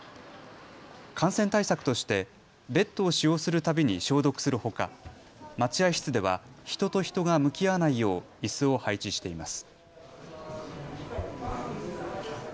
感染対策としてベッドを使用するたびに消毒するほか待合室では人と人が向き合わないよう、いすを配置しています。